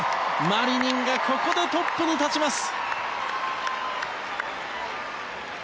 マリニンがここでトップに立ちます。